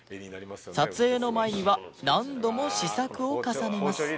撮影の前には何度も試作を重ねます